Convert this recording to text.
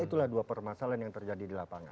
itulah dua permasalahan yang terjadi di lapangan